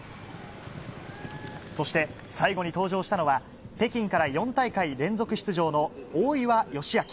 そして最後に登場したのは北京から４大会連続出場の大岩義明。